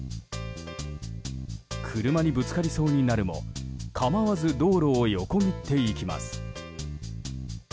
車にぶつかりそうになるも構わず道路を横切っていきます。